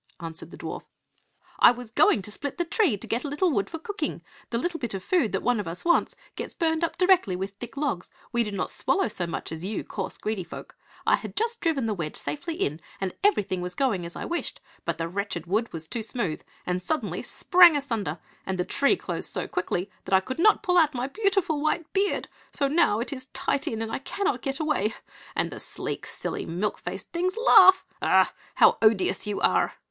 answered the dwarf; "I was going to split the tree to get a little wood for cooking. The little bit of food that one of us wants gets burnt up directly with thick logs; we do not swallow so much as you coarse, greedy folk. I had just driven the wedge safely in, and everything was going as I wished; but the wretched wood was too smooth and suddenly sprang asunder, and the tree closed so quickly that I could not pull out my beautiful white beard; so now it is tight in and I cannot get away, and the silly, sleek, milk faced things laugh! Ugh! how odious you are!"